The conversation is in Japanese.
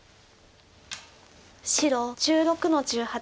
白１６の十八。